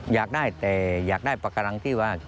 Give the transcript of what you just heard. อยากได้แต่อยากได้ปากการังที่ว่า